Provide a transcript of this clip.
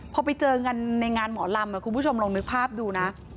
พอไปเจอกันในงานหมอลำคุณผู้ชมลองนึกภาพดูนะ